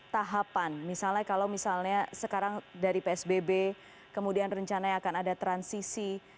tahapan misalnya kalau misalnya sekarang dari psbb kemudian rencananya akan ada transisi